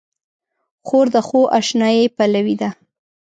خور د ښو اشنايي پلوي ده.